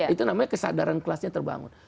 itu namanya kesadaran kelasnya terbangun